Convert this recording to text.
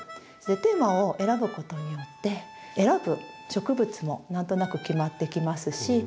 テーマを選ぶことによって選ぶ植物も何となく決まってきますし